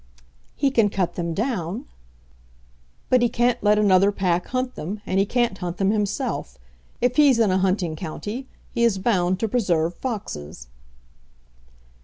"He can cut them down." "But he can't let another pack hunt them, and he can't hunt them himself. If he's in a hunting county he is bound to preserve foxes."